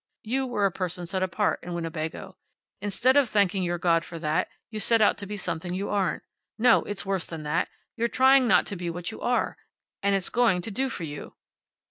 You were a person set apart in Winnebago. Instead of thanking your God for that, you set out to be something you aren't. No, it's worse than that. You're trying not to be what you are. And it's going to do for you."